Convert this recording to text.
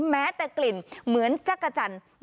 แม้แต่กลิ่นเหมือนจัดกัจั่นไม่ผิดเพี้ยน